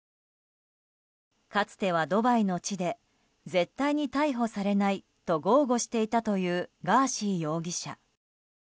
かつてはドバイの地で絶対に逮捕されないと豪語していたというガーシー容疑者。